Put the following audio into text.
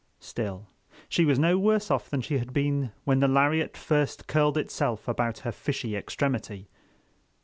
Still, she was no worse off than she had been when the lariat first curled itself about her fishy extremity.